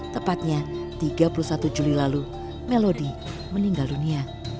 tepatnya tiga puluh satu juli lalu melodi meninggal dunia